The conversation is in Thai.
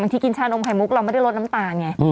ที่กินชานมไข่มุกเราไม่ได้ลดน้ำตาลไง